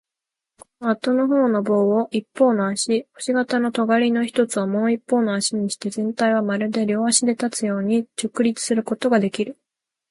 このあとのほうの棒を一方の足、星形のとがりの一つをもう一方の足にして、全体はまるで両足で立つように直立することができる。